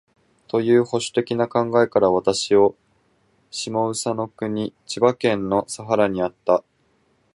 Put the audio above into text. という保守的な考えから、私を下総国（千葉県）の佐原にあった